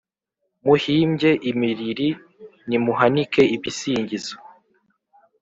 muhimbye imiriri: nimuhanike ibisingizo